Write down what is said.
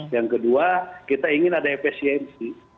yang kedua kita ingin ada efisiensi